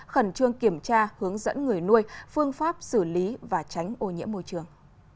khẩn trương kiểm tra hướng dẫn người nuôi phương pháp xử lý và tránh ô nhiễm môi trường